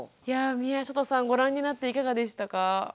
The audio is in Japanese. いや宮里さんご覧になっていかがでしたか？